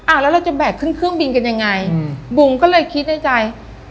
แล้วเราจะแบกขึ้นเครื่องบินกันยังไงอืมบุ๋มก็เลยคิดในใจ